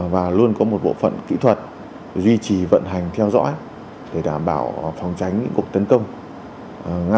và luôn có một bộ phận kỹ thuật duy trì vận hành theo dõi để đảm bảo phòng tránh những cuộc tấn công